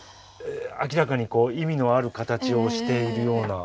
明らかに意味のある形をしているような。